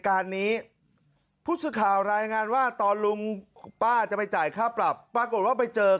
คุณผู้หญิงลุงเลือดสุดทั้งเดือน